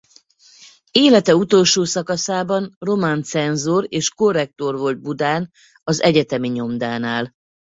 Élete utolsó szakaszában román cenzor és korrektor volt Budán az egyetemi nyomdánál.